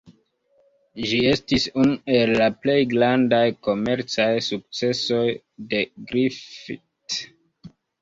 Ĝi estis unu el la plej grandaj komercaj sukcesoj de Griffith.